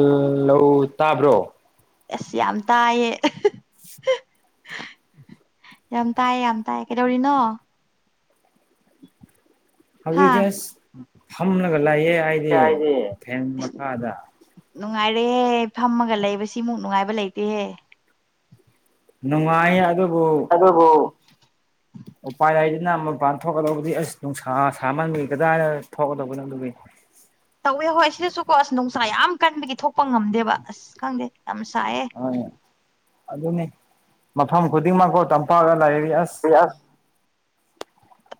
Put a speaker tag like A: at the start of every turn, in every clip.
A: ꯎꯝ ꯂꯧ ꯇꯥꯕ꯭ꯔꯣ
B: ꯑꯁ ꯌꯥꯝ ꯇꯥꯏꯌꯦ ꯌꯥꯝ ꯇꯥꯏ ꯌꯥꯝ ꯇꯥꯏ ꯀꯩꯗꯧꯔꯤꯅꫭ
A: ꯍꯧꯖꯤꯛꯁ‌ꯦ ꯑꯁꯤ ꯐꯝꯂꯒ ꯂꯩꯌꯦ ꯑꯩꯗꯤ ꯐꯦꯟ ꯃꯈꯥꯗ
B: ꯅꯨꯡꯉꯥꯏꯔꯦꯍꯦ ꯐꯝꯃꯒ ꯂꯩꯕꯁꯤꯃꯨꯛ ꯅꯨꯡꯉꯥꯏꯕ ꯂꯩꯇꯦꯍꯦ
A: ꯅꯨꯡꯉꯥꯏ ꯑꯗꯨ
B: ꯑꯗꯨꯕꯨ
A: ꯎꯄꯥꯏ ꯂꯏꯗꯤ ꯅꯍ ꯃꯄꯥꯟ ꯊꯣꯛꯀꯗꯧꯕꯗꯤ ꯑꯁ ꯅꯨꯡꯁꯥ ꯁꯥꯃꯟꯕꯤ ꯀꯗꯥꯏꯅ ꯊꯣꯛꯀꯗꯧꯕꯅꯣ ꯑꯗꯨꯒꯤ
B: ꯅꯨꯡꯁꯥ ꯌꯥꯝ ꯀꯟꯕꯒꯤ ꯊꯣꯛꯄ ꯉꯝꯗꯦꯕ ꯑꯁ ꯈꯪꯗꯦ ꯌꯥꯝ ꯁꯥꯏꯌꯦ
A: ꯃꯐꯝ ꯈꯨꯗꯤꯡꯃꯛ ꯀꯣ ꯇꯝꯄꯥꯛꯇ ꯂꯩ
B: ꯌꯥ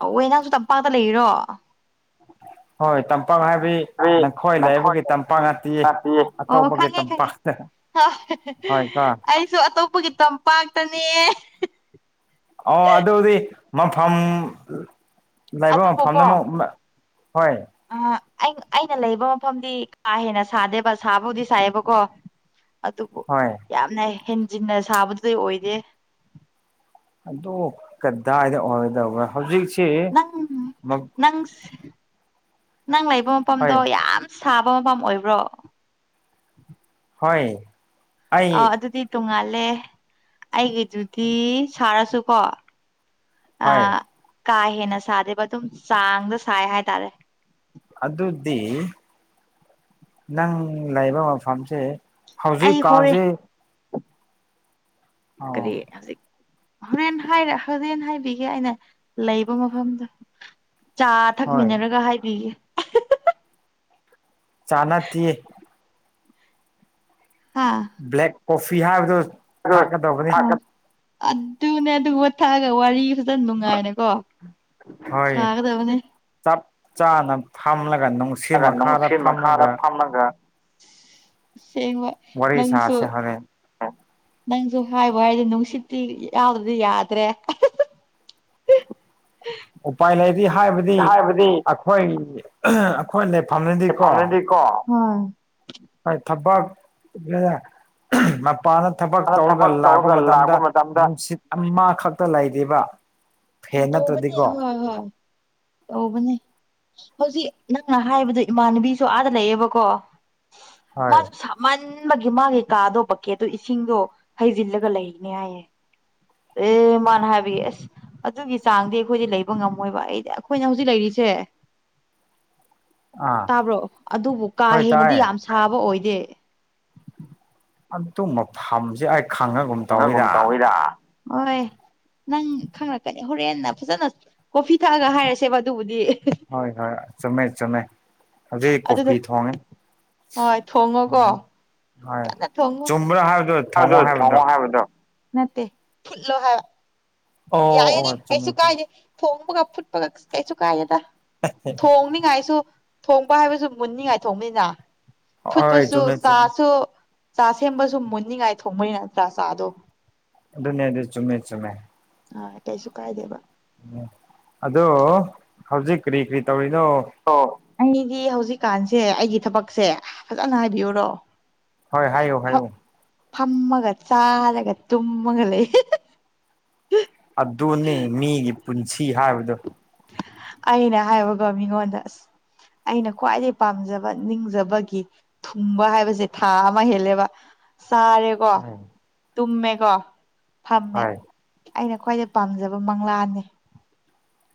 B: ꯑꯋꯨꯏꯅ ꯅꯪꯁꯨ ꯇꯝꯄꯥꯛꯇ ꯂꯩꯔꯤꯔꯣ
A: ꯍꯣꯏ ꯇꯝꯄꯥꯛ ꯍꯥꯏꯕꯗꯤ ꯅꯈꯣꯏ ꯂꯩꯕꯒꯤ ꯇꯝꯄꯥꯛ ꯅꯠꯇꯤꯌꯦ ꯑꯇꯣꯞꯄꯒꯤ ꯇꯝꯄꯥꯛ [unintelligible]
B: ꯑꯩꯁꯨ ꯑꯇꯣꯞꯄꯒꯤ ꯇꯝꯄꯥꯛꯇꯅꯦ
A: ꯃꯐꯝ ꯂꯩꯕ ꯃꯐꯝꯗꯨ [unintelligible]
B: ꯑꯥ ꯑꯩ ꯑꯩꯅꯥ ꯂꯩꯕ ꯃꯐꯝꯗꯤ ꯀꯥ ꯍꯦꯟꯅ ꯁꯥꯗꯦꯕ ꯁꯥꯕꯨꯗꯤ ꯁꯥꯏꯌꯦꯕꯀꯣ ꯑꯗꯨꯕꯨ ꯌꯥꯝꯅ ꯍꯦꯟꯖꯤꯟꯅ ꯁꯥꯕꯗꯨꯗꯤ ꯑꯣꯏꯗꯦ
A: ꯑꯗꯣ ꯀꯗꯥꯏꯗ ꯑꯣꯏꯔꯗꯧꯕ ꯍꯧꯖꯤꯛ ꯀꯦ ꯃ [unintelligible]
B: ꯅꯪ ꯂꯩꯕ ꯃꯐꯝꯗꯣ ꯌꯥꯝ ꯁꯥꯕ ꯃꯐꯝ ꯑꯣꯏꯕ꯭ꯔꯣ
A: ꯍꯣꯢ
B: ꯑꯧ ꯑꯗꯨꯗꯤ ꯇꯣꯡꯉꯥꯜꯂꯦ ꯑꯩꯒꯤꯗꯨꯗꯤ ꯁꯥꯔꯁꯨꯀꯣ ꯑ ꯀꯥ ꯍꯦꯟꯅ ꯁꯥꯗꯦꯕ ꯑꯗꯨꯝ ꯆꯥꯡꯗ ꯁꯥꯏ ꯍꯥꯏꯇꯥꯔꯦ
A: ꯑꯗꯨꯗꯤ ꯅꯪ ꯂꯩꯕꯕ ꯃꯐꯝꯁꯦ ꯍꯧꯖꯤꯛꯀꯥꯟꯁꯦ
B: ꯀꯔꯤ ꯍꯧꯖꯤꯛ ꯍꯣꯔꯦꯟ ꯍꯥꯏꯔꯦ ꯍꯣꯔꯦꯟ ꯍꯥꯏꯕꯤꯒꯦ ꯑꯩꯅ ꯂꯩꯕ ꯃꯐꯝꯗꯣ ꯆꯥ ꯊꯛꯃꯤꯟꯅꯔꯒ ꯍꯥꯏꯕꯤꯒꯦ
A: ꯆꯥ ꯅꯠꯇꯤꯌꯦ ꯕ꯭ꯂꯦꯛ ꯀꯣꯐꯤ ꯍꯥꯏꯕꯗꯣ ꯊꯥꯛꯀꯗꯧꯕꯅꯤ
B: ꯑꯗꯨꯅꯦ ꯑꯗꯨꯒꯨꯕ ꯊꯥꯛꯑꯒ ꯋꯥꯔꯤ ꯈꯤꯇ ꯅꯨꯡꯉꯥꯏꯅꯦꯀꯣ ꯁꯥꯒꯗꯕꯅꯦ
A: ꯆꯥꯅ ꯐꯝꯂꯒ ꯅꯨꯡꯁꯤꯠ ꯃꯈꯥꯗ ꯐꯝꯑꯒ
B: ꯁꯦꯡꯕ ꯅꯪꯁꯨ ꯅꯪꯁꯨ ꯍꯥꯏꯕꯨ ꯍꯥꯏꯗꯤ ꯅꯨꯡꯁꯤꯠꯇꯤ ꯌꯥꯎꯗꯔꯗꯤ ꯌꯥꯗ꯭ꯔꯦ
A: [inaudible] ꯎꯄꯥꯏ ꯂꯩꯗꯤ ꯍꯥꯏꯕꯗꯤ ꯑꯩꯈꯣꯏ ꯑꯩꯈꯣꯏ ꯐꯝꯅꯗꯤꯀꯣ
B: ꯍꯣꯏ
A: ꯍꯣꯏ ꯊꯕꯛ [unintelligible] ꯅꯨꯄꯥꯅ ꯊꯕꯛ ꯇꯧꯔꯒ ꯂꯥꯛꯄ ꯃꯇꯝꯗ ꯅꯨꯡꯁꯤꯠ ꯑꯃꯈꯛꯇ ꯂꯩꯗꯦꯕ
B: ꯇꯧꯕꯅꯦ ꯍꯣꯏ ꯍꯣꯏ ꯇꯧꯕꯅꯦ ꯍꯧꯖꯤꯛ ꯅꯪꯅ ꯍꯥꯏꯕꯗꯣ ꯏꯃꯥꯟꯅꯕꯤꯁꯨ ꯑꯥꯗ ꯂꯩꯌꯦꯕꯀꯣ ꯃꯥꯁꯨ ꯁꯥꯃꯟ ꯃꯟꯕꯒꯤ ꯃꯥꯒꯤ ꯀꯥꯗꯣ ꯚꯛꯀꯦꯠꯗꯣ ꯏꯁꯤꯡꯗꯣ ꯍꯩꯖꯤꯜꯂꯒ ꯂꯩꯔꯤꯅꯦ ꯍꯥꯏꯌꯦ ꯑꯦ ꯃꯥꯅ ꯍꯥꯏꯕꯤ ꯑꯁ ꯑꯗꯨꯒꯤ ꯆꯥꯡꯗꯤ ꯑꯩꯈꯣꯏꯗꯤ ꯂꯩꯕ ꯉꯝꯃꯣꯏꯕ ꯑꯩꯗꯤ ꯑꯩꯈꯣꯏꯅ ꯍꯧꯖꯤꯛ ꯂꯩꯔꯤꯁꯦ ꯇꯥꯕ꯭ꯔꯣ ꯑꯗꯨꯕꯨ ꯀꯥ ꯍꯦꯟꯅꯗꯤ ꯌꯥꯝ ꯁꯥꯕ ꯑꯣꯏꯗꯦ
A: ꯑꯗꯨ ꯃꯐꯝꯖꯦ ꯑꯩ
B: ꯈꯪꯍꯒꯨꯨꯝ ꯇꯧꯏꯗ ꯍꯣꯏ ꯅꯪ ꯈꯪꯪꯂꯛꯀꯅꯤ ꯍꯣꯔꯦꯟꯅ ꯐꯖꯅ ꯀꯣꯐꯤ ꯊꯛꯑꯒ ꯍꯥꯏꯔꯁꯦꯕ ꯑꯗꯨꯕꯨꯗꯤ
A: ꯍꯣꯏ ꯍꯣꯏ ꯆꯨꯝꯃꯦ ꯆꯨꯝꯃꯦ ꯍꯧꯖꯤꯛ ꯀꯣꯐꯤ ꯊꯣꯡꯉꯦ
B: ꯍꯣꯏ ꯊꯣꯡꯉꯣꯀꯣ ꯀꯟꯅ ꯊꯣꯡꯉꯨ ꯑꯗꯨ ꯊꯣꯡꯉꯣ ꯍꯥꯏꯕꯗꯣ ꯅꯠꯇꯦ ꯐꯨꯠꯂꯣ ꯍꯥꯏꯕ ꯌꯥꯏꯑꯦꯅꯦ ꯑꯩꯁꯨ ꯀꯥꯏꯗꯦ ꯊꯣꯡ ꯐꯄꯒ ꯐꯨꯠꯄꯒ ꯀꯩꯁꯨ ꯀꯥꯏꯑꯦꯗ ꯊꯣꯡꯅꯤꯡꯉꯥꯏꯁꯨ ꯊꯣꯡꯕ ꯍꯥꯏꯕꯁꯨ ꯃꯨꯟꯅꯤꯡꯉꯥꯏ ꯊꯣꯡꯕꯅꯤꯅ ꯐꯨꯠꯄꯁꯨ ꯆꯥꯁꯨ ꯆꯥ ꯁꯦꯝꯕꯁꯨ ꯃꯨꯅꯤꯡꯉꯥꯏ ꯊꯣꯡꯕꯅꯤꯅ ꯆꯥꯗꯣ
A: ꯑꯗꯨꯅ‌ꯦꯗꯨ ꯆꯨꯝꯃꯦ ꯆꯨꯝꯃꯦ
B: ꯑ ꯀꯩꯁꯨ ꯀꯥꯏꯗꯦꯕ
A: ꯑꯗꯣ ꯍꯧꯖꯤꯛ ꯀꯔꯤ ꯀꯔꯤ ꯇꯧꯔꯤ
B: ꯑꫭ ꯑꯩꯒꯤ ꯍꯧꯖꯤꯛꯀꯥꯟꯁꯦ ꯑꯩꯒꯤ ꯊꯕꯛꯁꯦ ꯐꯖꯅ ꯍꯥꯏꯕꯤꯌꯨꯔꯣ
A: ꯍꯣꯏ ꯍꯥꯏꯌꯨ ꯍꯥꯏꯌꯨ
B: ꯐꯝꯃꯒ ꯆꯥꯔꯒ ꯇꯨꯝꯃꯒ ꯂꯩ
A: ꯑꯗꯨꯅꯤ ꯃꯤꯒꯤ ꯄꯨꯟꯁꯤ ꯍꯥꯏꯕꯗꯣ
B: ꯀꯕꯤꯒꯣꯍꯣꯟꯗꯁ [unintelligible] ꯑꯩꯅ ꯈ꯭ꯋꯥꯏꯗꯒꯤ ꯄꯥꯝꯖꯕ ꯅꯤꯡꯖꯕꯒꯤ ꯊꯨꯡꯕ ꯍꯥꯏꯕꯁꯦ ꯊꯥ ꯑꯃ ꯍꯦꯜꯂꯦꯕ ꯆꯥꯔꯦꯀꯣ ꯇꯨꯝꯃꯦꯀꯣ ꯐꯝꯃꯦ ꯑꯩꯅ ꯈ꯭ꯋꯥꯏꯗ ꯄꯥꯝꯖꯕ ꯃꯪꯂꯥꯟꯅ‌ꯦ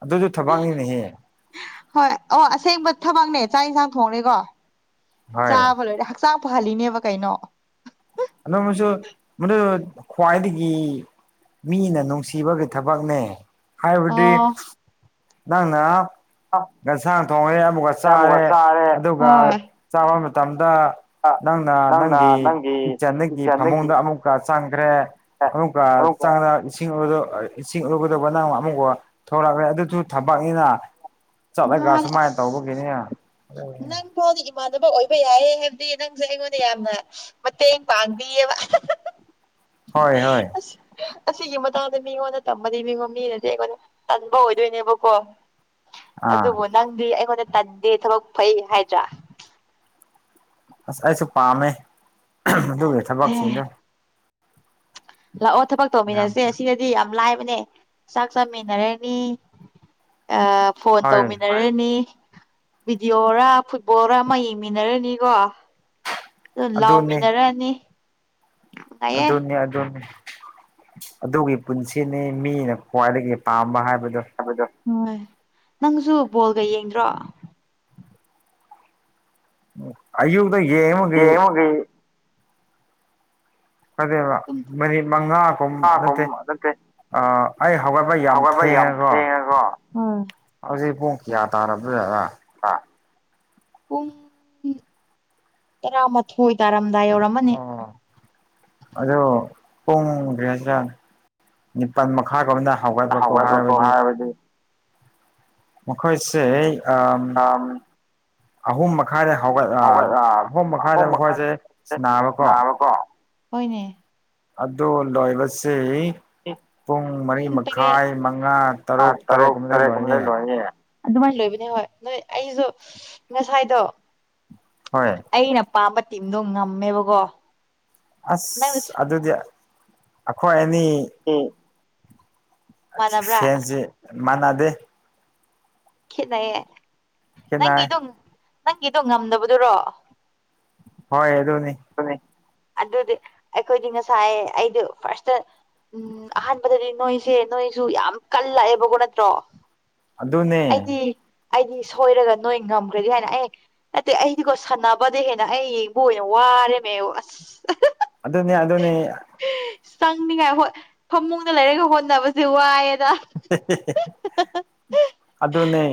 A: ꯑꯗꯨꯁꯨ ꯊꯕꯥꯥꯛꯅꯤꯅꯊ‌ꯦ
B: ꯍꯣꯏ ꯑꯣ ꯑꯁꯦꯡꯕ ꯊꯕꯛꯅꯦ ꯆꯥꯛ ꯌꯦꯟꯁꯥꯡ ꯊꯣꯡꯂ‌ꯦꯀꫭ ꯆꯥꯕ ꯂꯣꯏꯔꯦ ꯍꯛꯆ ꯆꯥꯛ ꯄꯍꯜꯂꯤꯅꯦꯕ ꯀꯩꯅꯣ
A: ꯑꯗꯨꯃꯁꯨ ꯃꯗꯨ ꯈ꯭ꯋꯥꯏꯗꯦ ꯃꯤꯅ ꯅꯨꯡꯁꯤꯕꯒꯤ ꯊꯕꯛꯅꯦ ꯍꯥꯏꯕꯗꯤ ꯅꯪꯅ ꯅꯁꯥꯡ ꯊꯣꯡꯉꯦ ꯑꯃꯨꯛꯀ ꯆꯥꯔꯦ ꯑꯗꯨꯒ ꯆꯥꯕ ꯃꯇꯝꯗ ꯅꯪꯅ ꯅꯪꯒꯤ ꯀꯤꯆꯟꯪꯒꯤ ꯐꯃꯨꯡꯗ ꯑꯃꯨꯛꯀ ꯆꯪꯒꯔꯦ ꯑꯃꯨꯛꯀ ꯆꯥꯡꫪ ꯏꯁꯤꯡꯂ ꯏꯁꯤꯡꯔꯕꯗꯨ ꯅꯪ ꯑꯃꯛꯥꯎ ꯊꯂꯛꯑ꯭ꯔꯦ ꯑꯗꯨꯁꯨ ꯊꯕꯛꯅꯤꯅ ꯆꯠꯂꯒ ꯁꯨꯃꯥꯏꯅ ꯇꯧꯕꯒꯤꯅꯦ
B: ꯏꯃꯥꯟꯅꯕ ꯑꯣꯏꯕ ꯌꯥꯏ ꯍꯥꯏꯕꯗꯤ ꯅꯪꯁꯦ ꯑꯩꯉꯣꯟꯗ ꯌꯥꯝꯅ ꯃꯇꯦꯡ ꯄꯥꯡꯕꯤꯌ‌ꯦꯕ ꯑꯁ ꯑꯁꯤꯒꯤ ꯃꯇꯥꯡꯗ ꯃꯤꯉꯣꯟꯗ ꯇꯃꯗꯤ ꯃꯤꯉꯣꯟ ꯃꯤꯅꯗꯤ ꯑꯩꯉꯣꯟꯗ ꯇꯟꯕ ꯑꯣꯏꯗꯣꯏꯅꯦꯕꯀꯣ ꯑꯗꯨꯕꯨ ꯅꯪꯗꯤ ꯑꯩꯉꯣꯟꯗ ꯇꯟꯗꯦ ꯊꯕꯛ ꯐꯩ ꯍꯥꯏꯗ꯭ꯔꯥ
A: ꯑꯁ ꯑꯩꯁꯨ ꯄꯥꯝꯃꯦ ꯑꯗꯨꯒꯤ ꯊꯕꯛꯁꯤꯡꯗꯣ
B: ꯂꯥꯛꯑꯣ ꯊꯕꯛ ꯇꯧꯃꯤꯟꯅꯁꯦ ꯑꯁꯤꯗꯗꯤ ꯌꯥꯝ ꯂꯥꯏꯕ ꯑꯅꯦ ꯆꯥꯛ ꯆꯥꯃꯤꯟꯅꯔꯅꯤ ꯑ ꯐꯣꯟ ꯇꯧꯃꯤꯟꯅꯔꯅꯤ ꯚꯗꯤꯑꯣꯔꯥ ꯐꯨꯠꯕꯣꯜꯔ ꯑꯃ ꯌꯦꯡꯃꯤꯟꯅꯔꯅꯤꯀꯣ ꯑꯗꯨ ꯂꯥꯎꯃꯤꯟꯅꯔꯅꯤ
A: ꯑꯗꯨꯅꯤ ꯑꯗꯨꯅꯤ ꯑꯗꯨꯒꯤ ꯄꯨꯟꯁꯤꯅꯤ ꯃꯤꯅ ꯈ꯭ꯋꯥꯏꯗꯒꯤ ꯄꯥꯝꯕ ꯍꯥꯏꯕ
B: ꯍꯥꯏꯕꯗꫭ ꯍꫭꯏ ꯅꯪꯁꯨ ꯕꯣꯜꯒ ꯌꯦꯡꯗ꯭ꯔꯣ
A: ꯑꯌꯨꯛꯇ ꯌꯦꯡꯕꯒꯤ ꯐꯔꯤꯕ ꯃꯔꯤ ꯃꯉꯥꯒꯨꯝ ꯅꯠꯇꯦ ꯑ ꯑꯩ ꯍꯧꯒꯠꯄ ꯌꯥꯝ ꯊꯦꯡꯉꯀꯣ ꯍꯧꯖꯤꯛ ꯄꯨꯡ ꯀꯌꯥ ꯇꯥꯔꯕꯖꫪꯥ
B: ꯄꯨꯡ ꯄꯨꯡ ꯍꯨꯡ ꯇꯔꯥꯃꯊꯣꯏ ꯇꯔꯥ ꯃꯗꯥꯏ ꯌꯧꯔꯝꯃꯅꯤ
A: ꯑꯗꫭ ꯄꯨꯡꯒꯔꯤꯗ ꯅꯤꯄꯥꯜ ꯃꯈꯥꯒꯨꯝꯗ ꯍꯧꯒꯠꯂꫭꯀꫭ ꯍꯥꯏꯕꯗꯤ ꯃꯈꯣꯏꯁ‌ꯦ ꯑ ꯑꯍꯨꯝ ꯃꯈꯥꯏꯗ ꯍꯧꯒꯠꯂ ꯑ ꯑꯍꯨꯝ ꯃꯈꯥꯏꯗ ꯃꯈꯣꯏꯁꯦ ꯅꯥꯕꯀꯣ
B: ꯍꯣꯏꯅꯦ
A: ꯑꯗꯨ ꯂꯣꯏꯕꯁꯦ ꯄꯨꯡ ꯃꯔꯤ ꯃꯈꯥꯏ ꯃꯉꯥ ꯇꯔꯨꯛ ꯇꯔꯦꯠ ꯀꯨꯝꯕꯗ ꯂꯣꯏꯔꯡꯌ‌ꯦ
B: ꯑꯗꯨꯃꯥꯏꯅ ꯂꯣꯏꯕꯅꯦ ꯍꯣꯏ ꯅꯣꯏ ꯑꯩꯁꯨ ꯉꯁꯥꯏꯗꯣ
A: ꯍꯣꯏ
B: ꯄꯥꯝꯕ ꯇꯤꯝꯗꯣ ꯉꯝꯃꯦꯕꯀꯣ
A: ꯑꯁ ꯑꯗꯨꯗꯤ ꯑꯩꯈꯣꯏ ꯑꯅꯤ
B: [unintelligible]
A: ꯐꯦꯟꯁꯤ ꯃꯥꯟꯅꯗꯦ
B: ꯈꯦꯠꯅꯩꯌꯦ ꯅꯪꯒꯤꯗꯣ ꯅꯪꯒꯤꯗꯣ ꯉꯝꯗꯕꯗꯨꯔꯣ
A: ꯍꯣꯏꯗꯣꯅꯤ
B: ꯑꯗꯨꯗꯤ ꯑꯩꯈꯣꯏꯗꯤ ꯉꯁꯥꯏ ꯑꯩꯗꯤ ꯐꯥꯔꯁꯇ ꯎꯝ ꯑꯍꯥꯟꯕꯗꯗꯤ ꯅꯣꯏꯁꯦ ꯅꯣꯏꯁꯨ ꯌꯥꯝ ꯀꯜꯂꯛꯑꯦꯕꯀꯣ ꯅꯠꯇ꯭ꯔꯣ
A: ꯑꯗꯨꯗꯅꯦ
B: ꯑꯩꯗꯤ ꯁꯣꯏꯔꯒ ꯅꯣꯏ ꯉꯝꯈ꯭ꯔꯗꯤ ꯍꯥꯏꯅ ꯑꯦ ꯅꯠꯇꯦ ꯑꯩꯗꯤꯀꯣ ꯁꯥꯟꯅꯕꯗ ꯍꯦꯟꯅ ꯑꯩ ꯌꯦꯡꯕ ꯑꯣꯏ ꯌꯦꯉ ꯋꯥꯔꯦ ꯃ ꯑꯣ
A: ꯑꯗꯨꯅꯦ ꯑꯗꯨꯅꯦ
B: ꯆꯪꯅꯤꯉꯥꯏ ꯍ ꯐꯃꯨꯡꯗ ꯂꯩꯔꯒ ꯍꯣꯠꯅꯕꯁꯦ ꯋꯥꯏꯑ
A: ꯑꯗꯨꯅꯦ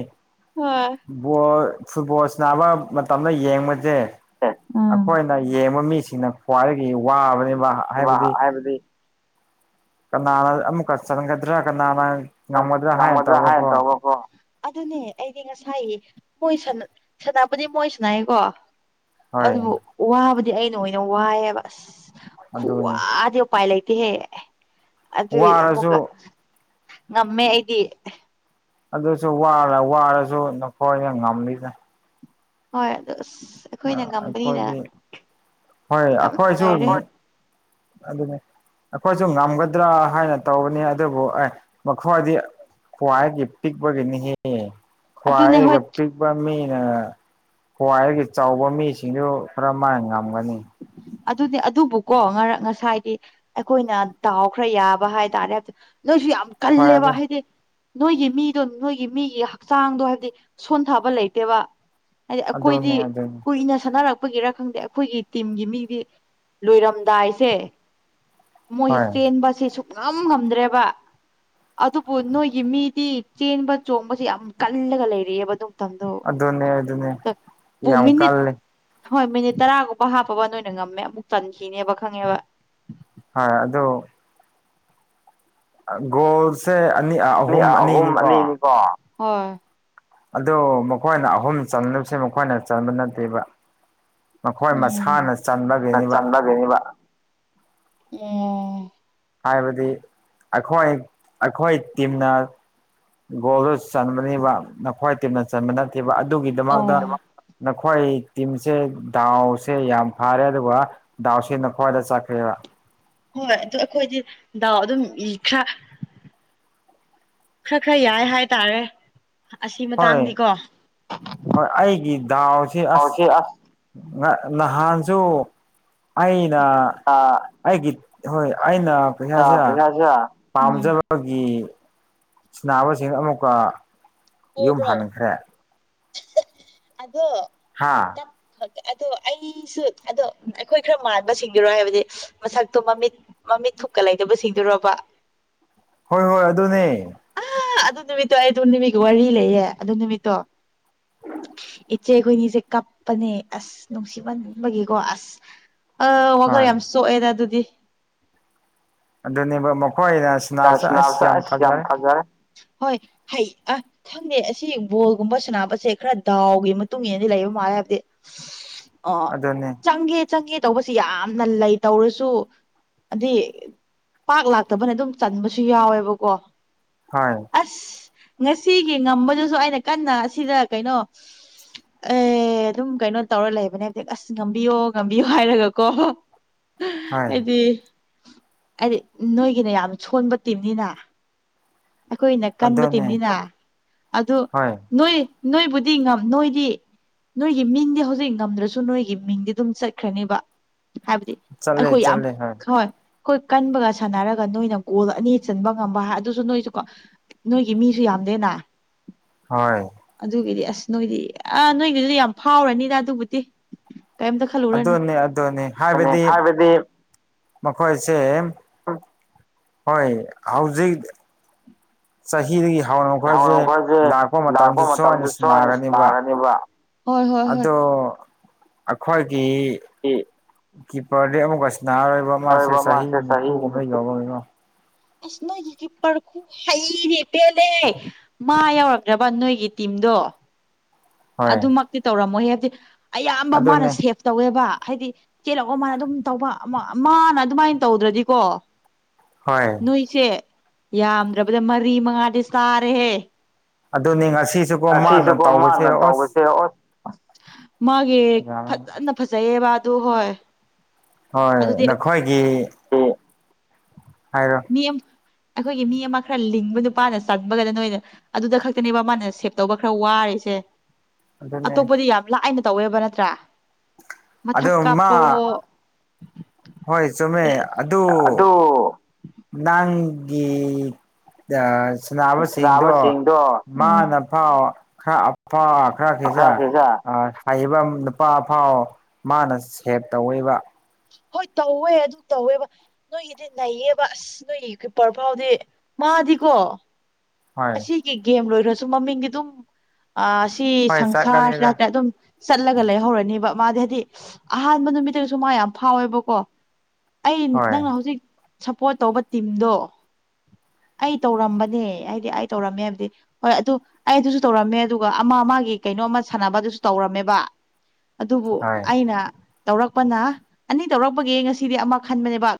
A: ꯐꯨꯠꯕꯣꯜ ꯁꯅꯕ ꯃꯇꯝꯗ ꯌꯦꯡꯕꯁꯦ ꯑꯩꯈꯣꯏꯅ ꯌꯦꯡꯕ ꯃꯤꯁꯦ ꯁꯤꯅ ꯈ꯭ꯋꯥꯏꯗꯒꯤ ꯋꯥꯕꯅꯤ
B: ꯋꯥ ꯍꯥꯏꯕꯗꯤ
A: ꯀꯅꯥꯅ ꯑꯃꯨꯛꯀ ꯆꯒꯗ꯭ꯔꯥ ꯀꯅꯥꯅ
B: ꯅꯃꯗ꯭ꯔ ꯍꯥꯏ ꯇꯣ ꯑꯗꯨꯅꯦ ꯑꯩꯗꯤ ꯉꯁꯥꯏ ꯃꯣꯏ ꯁꯥꯟꯅꯕꯗꯤ ꯃꯣꯏ ꯁꯥꯟꯅꯩꯀꯣ ꯑꯗꯨꯕꯨ ꯋꯥꯕꯨꯗꯤ ꯑꯩꯅ ꯑꯣꯏꯅ ꯋꯥꯏꯑꯕ ꯑꯁ ꯈꯨꯋꯥꯗꯤ ꯎꯄꯥꯏ ꯂꯩꯇ ꯍꯦ ꯑꯗꯨ ꯑꯃꯨꯒ ꯉꯃꯦ ꯏꯗꯤ
A: ꯑꯗꯨꯁꯨꯔ ꯋꯥꯔꯁꯨ ꯅꯈꯣꯏꯅ ꯉꯝꯂꯤꯗ
B: ꯍꯣꯏꯗ
A: ꯑ ꯑꯩꯈꯣꯏꯗꯤ ꯍꯣꯏ ꯑꯩꯈꯣꯏꯁꯨ ꯑꯗꯨꯅꯤ ꯑꯩꯈꯣꯏꯁꯨ ꯉꯝꯒꯗ꯭ꯔꯥ ꯍꯥꯏꯅ ꯇꯧꯕꯅꯤ ꯑꯗꯨꯕꯨ ꯑꯦ ꯃꯈꯣꯏꯗꯤ ꯀꯣꯏ ꯀꯦ ꯄꯤꯛ ꯒꯦꯅꯤ ꯍ ꯈ꯭ꯋꯥꯏꯒ ꯄꯤꯛꯄ ꯃꯤꯅ ꯈ꯭ꯋꯥꯏꯒ ꯆꯥꯎꯕ ꯃꯤꯁꯤꯡꯁꯨ ꯈꯔ ꯃꯥꯏ ꯉꯝꯒꯅꯤ
B: ꯑꯗꯨꯗꯤ ꯑꯗꯨꯕꯨꯀꯣ ꯉꯔꯛ ꯉꯁꯥꯏꯒꯤ ꯑꯩꯈꯣꯏꯅ ꯇꯥꯎꯈ꯭ꯔ ꯌꯥꯕ ꯍꯥꯏꯇꯥꯔꯦ ꯅꯣꯏꯁꯨ ꯌꯥꯝ ꯀꯜꯂꯦ ꯋꯥ ꯍꯥꯏꯗꯤ ꯅꯣꯏꯒꯤ ꯃꯤꯗꯣ ꯅꯣꯏꯒꯤ ꯃꯤꯒꯤ ꯍꯛꯆꯥꯡꯗꯣ ꯍꯥꯏꯕꯗꯤ ꯁꯣꯟꯊꯕ ꯂꯩꯇꯦꯕ ꯍꯥꯏꯗꯤ ꯑꯩꯈꯣꯏꯗꯤ ꯀꯨꯏꯅ ꯁꯥꯟꯅꯔꯛꯄꯒꯤꯔ ꯈꯪꯗꯦ ꯑꯩꯈꯣꯏꯒꯤ ꯇꯤꯝꯒꯤ ꯃꯤꯗꯤ ꯂꯣꯏꯔꯝꯗꯥꯏꯁꯦ ꯃꯣꯏꯁꯦ ꯆꯦꯟꯕꯁꯦ ꯉꯝ ꯉꯝꯗ꯭ꯔꯦꯕ ꯑꯗꯨꯕꯨ ꯅꯣꯏꯒꯤ ꯃꯤꯗꯤ ꯆꯦꯟꯕ ꯆꯣꯡꯕꯁ ꯌꯥꯝ ꯀꯜꯂꯒ ꯂꯩꯔꯛꯑꯦꯕ ꯑꯗꯨꯝ ꯇꯗꯣ ꯃꯤꯅꯤꯠ ꯍꯣꯏ ꯃꯤꯅꯤꯠ ꯇꯔꯥꯒꯨꯝꯕ ꯍꯥꯞꯄꯕ ꯅꯣꯏ ꯑꯣꯏꯅ ꯉꯝꯃꯦ ꯑꯃꯨꯛ ꯆꯟꯈꯤꯅꯦꯕ ꯈꯪꯉꯦꯕ
A: ꯍ ꯑꯗꯨꯗꯣ ꯧꯁꯦ
B: ꯑꯍꯨꯝ ꯑꯅꯤꯅꯤꯀꯣ
A: ꯑꯗꯨ ꯃꯈꯣꯏꯅ ꯑꯍꯨꯝ ꯆꯟꯨꯁꯦ ꯃꯈꯣꯏꯅ ꯆꯟꯕ ꯅꯠꯇꯦꯕ
B: ꯎꯝ ꯆꯗꯅꯤꯕ ꯎꯝ
A: ꯍꯥꯏꯕꯗꯤ ꯑꯩꯈꯣꯏ ꯑꯩꯈꯣꯏ ꯇꯤꯝꯅ ꯒꯣꯜꯗꯨ ꯆꯟꯕꯅꯦꯕ ꯅꯈꯋꯥ ꯇꯤꯝꯅ ꯆꯟꯕ ꯅꯠꯇꯦꯕ ꯑꯗꯨ ꯑꯗꯨꯒꯤꯗꯃꯛꯇ ꯅꯈꯣꯏ ꯇꯤꯝꯁꯦ ꯗꯥꯎꯁꯦ ꯌꯥꯝ ꯐꯥꯔꯦ ꯑꯗꯨꯒ ꯗꯥꯎꯁꯤꯦꯅ ꯈ꯭ꯋꯥꯏꯗ ꯆꯠꯈ꯭ꯔꯦꯕ
B: ꯍꯣꯏ ꯑꯗꯨ ꯑꯩꯈꯣꯏꯗꯤ ꯗꯥꯎ ꯑꯗꯨꯝ ꯏ ꯈ꯭ꯔ ꯈꯔ ꯈꯔ ꯌꯥꯏ ꯍꯥꯏ ꯇꯔꯦ
A: ꯍꯣꯏ ꯍꯣꯏ ꯑꯩꯒꯤ ꯗꯥꯎꯁꯦ ꯑꯁ ꯅꯍꯥꯟꯁꯨ ꯑꯩꯅ ꯑꯩꯒꯤ ꯍꯣꯏ ꯑꯩꯅ ꯄꯩꯁꯥꯁꯦ ꯄꯥꯝꯖꯕꯒꯤ ꯁꯤꯅꯥꯕꯁꯤꯡ ꯑꯃꯨꯛꯀ ꯌꯨꯝ ꯍꯥꯟꯈ꯭ꯔꯦ ꯍꯥꯥ
B: ꯑꯗꯣ ꯑꯩꯁꯨ ꯑꯗꯣ ꯑꯩꯈꯣꯏ ꯈꯔ ꯃꯥꯟꯕꯁꯤꯡꯗꯨꯔꯣ ꯍꯥꯏꯕꯗꯤ ꯃꯁꯛꯇꯣ ꯃꯃꯤꯠ ꯃꯃꯤꯠ ꯊꯨꯨꯞꯀ ꯂꯩꯇꯕ ꯁꯤꯡꯗꯨꯣꯔꯔꯕ
A: ꯍꯣꯏ ꯍꯣꯏ ꯑꯗꯨꯅꯦ
B: ꯑꯗꯨ ꯅꯨꯃꯤꯠꯇꯣ ꯑꯩ ꯑꯗꯨ ꯅꯨꯃꯤꯠꯒꯤ ꯋꯥꯔꯤ ꯂꯩꯌꯦ ꯑꯗꯨ ꯅꯨꯃꯤꯠꯇꯣ ꯏꯆꯦ ꯑꯩꯈꯣꯏꯅꯤꯁꯦ ꯀꯞꯄꯅꯦ ꯑꯁ ꯅꯨꯡꯁꯤꯕꯟꯕꯒꯤꯀꯣ ꯑꯁ ꯑ ꯋꯥꯈꯜ ꯌꯥꯝ ꯁꯣꯛꯑꯦꯗ ꯑꯗꯨꯗꯤ
A: ꯑꯗꯨꯗꯅꯤꯕ
B: ꯇ ꯁꯅꯁ ꯌꯥꯝꯃ ꯈꯖꯔꯦ ꯍꯣꯏ ꯍꯩ ꯑ ꯈꯪꯗꯦ ꯑꯁꯤ ꯕꯣꯜꯒꯨꯝꯕ ꯁꯅꯕꯁꯦ ꯈꯔ ꯗꯥꯎꯒꯤ ꯃꯇꯨꯡ ꯏꯟꯅꯗꯤ ꯂꯩꯕ ꯃꯥꯜꯂꯦ ꯑ ꯆꯪꯒ ꯆꯪꯒ ꯇꯧꯕꯁꯤ ꯌꯥꯝꯅ ꯂꯩ ꯇꯧꯔꯁꯨ ꯍꯥꯏꯗꯤ ꯄꯥꯛ ꯂꯥꯛꯇꯕꯅ ꯑꯗꯨꯝ ꯆꯟꯕꯁꯨ ꯌꯥꯎꯋꯦꯕꯀꯣ
A: ꯍꯣꯏ
B: ꯉꯁꯤꯒꯤ ꯉꯝꯕꯗꯨꯁꯨ ꯑꯩꯅ ꯀꯟꯅ ꯑꯁꯤꯗ ꯀꯩꯅꯣ ꯑꯦ ꯑꯗꯨꯝ ꯀꯩꯅꯣ ꯇꯧꯔ ꯂꯩꯕꯅꯦ ꯍꯥꯏꯕꯗꯤ ꯑꯁ ꯉꯝꯕꯤꯌꯣ ꯉꯝꯕꯤꯌꯣ ꯍꯥꯏꯔꯒꯀꯣ ꯍꯥꯏꯗꯤ ꯍꯥꯏꯗꯤ ꯅꯣꯏꯒꯤꯅ ꯌꯥꯝ ꯁꯣꯟꯕ ꯇꯤꯝꯅꯤꯅ ꯑꯩꯈꯣꯏꯅ ꯀꯟꯕ ꯇꯤꯝꯅꯤꯅ ꯑꯗꯨ ꯅꯣꯏ ꯅꯣꯏꯕꯨꯗꯤ ꯉ ꯅꯣꯏꯗꯤ ꯅꯣꯏꯒꯤ ꯃꯤꯡꯗꯤ ꯍꯧꯖꯤꯛ ꯉꯝꯗ꯭ꯔꯁꯨ ꯅꯣꯏꯒꯤ ꯃꯤꯡꯗꯤ ꯑꯗꯨꯝ ꯆꯠꯈ꯭ꯔꯅꯦꯕ ꯍꯥꯏꯕꯗꯤ ꯑꯩꯈꯣꯏ ꯌꯥꯝ ꯍꯣꯏ ꯑꯩꯈꯣꯏ ꯀꯟꯕꯒ ꯁꯥꯟꯅꯔꯒ ꯅꯣꯏꯅ ꯑꯣꯜ ꯑꯅꯤ ꯆꯟꯕ ꯉꯝꯕ ꯍꯥꯏ ꯑꯗꯨꯁꯨ ꯅꯣꯏꯁꯨ ꯀꯣ ꯅꯣꯏꯒꯤ ꯃꯤꯁꯨ ꯌꯥꯝꯗꯦꯅ ꯑꯗꯨ ꯑꯗꯨ ꯗꯤꯌꯥꯁ ꯅꯣꯏꯗꯤ ꯑꯥ ꯅꯣꯏꯒꯤꯗꯨꯗꯤ ꯌꯥꯝ ꯐꯥꯎꯔꯅꯤꯗ ꯑꯗꯨꯕꯨꯗꯤ ꯀꯩꯝꯇ ꯈꯜꯂꯨꯔꯅ ꯍꯥꯏꯕꯗꯤ
A: ꯃꯈꯣꯏꯁꯦ ꯍꯣꯏ ꯍꯧꯖꯤꯛ ꯆꯍꯤꯗꯒꯤ ꯍꯧꯔꯈꯣꯏꯁꯦ ꯂꯥꯛꯄ ꯃꯇꯝꯗ ꯁꯣꯏꯅ ꯅꯥꯒꯅꯦꯕ ꯑꯗꯣ ꯑꯩꯈꯣꯏꯒꯤ ꯀꯤ ꯄꯔꯦ ꯑꯃꯁꯤ ꯅꯍꯥꯔ ꯑꯣꯏꯕ ꯃꯥꯁꯦ ꯆꯍꯤ ꯅꯤꯐꯨ ꯀꯨꯝꯝꯅ ꯌꯧꯕꯅꯤꯅ
B: ꯄꯔꯈꯨ ꯍꯩꯔꯦ ꯄꯦꯜꯂꯦ ꯃꯥ ꯌꯥꯎꯔꯛꯇ꯭ꯔꯕ ꯅꯣꯏꯒꯤ ꯇꯤꯝꯗꯣ ꯑꯗꯨꯃꯛꯇꯤ ꯇꯧꯔꯝꯃꯣꯏ ꯍꯥꯏꯐꯗꯤ ꯑꯌꯥꯝꯕ ꯃꯥꯅ ꯁꯦꯞ ꯇꯧꯋꯦꯕ ꯍꯥꯏꯗꯤ ꯆꯦꯜꯂꯑꯣ ꯃꯥꯅ ꯑꯗꯨꯝ ꯇꯧꯕ ꯃꯥꯅ ꯑꯗꯨꯃꯥꯏꯅ ꯇꯧꯗ꯭ꯔꯗꯤꯀꯣ ꯅꯣꯏꯁꯦ ꯌꯥꯝꯗ꯭ꯔꯕꯗ ꯃꯔꯤ ꯃꯉꯥꯗꯤ ꯇꯥꯔꯦꯍꯦ
A: ꯑꯗꯨ ꯉ
B: ꯑꯁꯤꯁꯤꯕꯣ ꯃꯥꯅ ꯇꯧꯕꯁꯦ ꯑꯣꯁ ꯃꯥꯒꯤ ꯐꯖꯅ ꯐꯖꯩꯌꯦꯕ ꯑꯗꯨ ꯍꯣꯏ
A: ꯍꯣꯏ ꯅꯈꯣꯏꯒꯤ
B: ꯃꯤꯝ ꯑꯩꯈꯣꯏꯒꯤ ꯃꯤ ꯑꯃ ꯈꯔ ꯂꯤꯡꯕ ꯅꯨꯄꯥꯅ ꯆꯟꯕꯒꯗ ꯅꯣꯏꯗ ꯑꯗꯨꯗ ꯈꯛꯇꯅꯦꯕ ꯃꯥꯅ ꯁꯦꯞ ꯇꯧꯕ ꯈꯔ ꯋꯥꯔꯦꯁꯦ ꯑꯇꯣꯞꯄꯗꯤ ꯌꯥꯝ ꯂꯥꯏꯅ ꯇꯧꯋꯦꯕ ꯅꯠꯇ꯭ꯔꯥ ꯃꯊꯛ ꯀꯥꯄꯣ ꯑꯗꯨ
A: ꯅꯒꯤꯤ ꯁꯅꯕꯁꯤꯡꯗꯣ ꯃꯥꯅ ꯐꯥꯎ ꯈꯔ ꯑꯐ ꯈꯔ ꯈꯁ ꯑ ꯍꯥꯏꯕ ꯅꯨꯄꯥ ꯐꯥꯎ ꯃꯥꯅ ꯁꯦꯞ ꯇꯧꯕ
B: ꯍꯣꯏ ꯇꯧꯋꯦ ꯑꯗꯨ ꯇꯧꯋꯦꯕ ꯅꯣꯏꯒꯤꯗꯤ ꯅꯩꯌꯦꯕ ꯑꯁ ꯅꯣꯏꯒꯤ ꯄꯔ ꯐꯥꯎꯗꯤ ꯃꯥꯗꯤꯀꯣ ꯑꯁꯤꯒꯤ ꯒꯦꯝ ꯂꯣꯏꯔꯁꯨ ꯃꯃꯤꯡꯗꯤ ꯑꯗꯨꯝ ꯑ ꯁꯤ ꯁꯪꯁꯥꯔꯁꯤꯗ ꯍꯥꯏꯇꯥꯔꯦ ꯑꯗꯨꯝ ꯆꯠꯂꯒ ꯂꯩꯍꯧꯔꯅꯤꯕ ꯃꯥꯗꯤ ꯍꯥꯏꯗꯤ ꯑꯍꯥꯟꯕ ꯅꯨꯃꯤꯠꯇꯒꯤꯁꯨ ꯃꯥ ꯌꯥꯝ ꯐꯥꯎꯋꯦꯕꯀꯣ ꯑꯩ ꯅꯪꯅ ꯍꯧꯖꯤꯛ ꯁꯞꯄꯣꯔꯠ ꯇꯧꯕ ꯇꯤꯝꯗꯣ ꯑꯩ ꯇꯧꯔꯝꯕꯅꯦ ꯍꯥꯏꯗꯤ ꯑꯩ ꯇꯧꯔꯝꯃꯦ ꯍꯥꯏꯕꯗꯤ ꯍꯣꯏ ꯑꯗꯨ ꯑꯩ ꯑꯗꯨꯁꯨ ꯇꯧꯔꯝꯃꯦ ꯑꯗꯨꯒ ꯑꯃ ꯃꯥꯒꯤ ꯀꯩꯅꯣ ꯑꯃ ꯁꯥꯟꯅꯕꯗꯨꯁꯨ ꯇꯧꯔꯝꯃꯦꯕ
A: [inaudible]
B: ꯑꯗꯨꯕꯨ ꯑꯩꯅ ꯇꯧꯔꯛꯄꯅ ꯑꯅꯤ ꯇꯧꯔꯛꯄꯒꯤ ꯉꯁꯤꯗꯤ ꯑꯃ ꯈꯟꯕꯅꯦꯕ